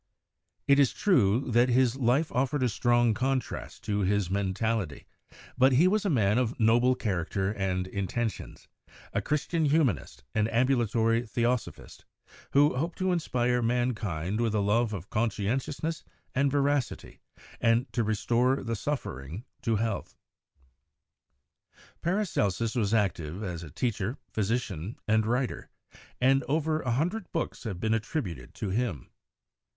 It is true that his life offered a strong contrast to his mentality, but he was a man of noble character and intentions, a Christian humanist and ambulatory theosophist, who hoped to in spire mankind with a love of conscientiousness and verac ity and to restore the suffering to health. Paracelsus was active as a teacher, physician and writer, and over a hundred books have been attributed to him.